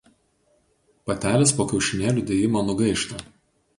Patelės po kiaušinėlių dėjimo nugaišta.